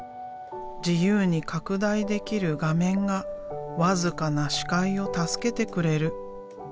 自由に拡大できる画面が僅かな視界を助けてくれる。